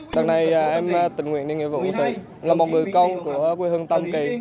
đằng này em tình nguyện đến nhiệm vụ của sự là một người công của quê hương tâm kỳ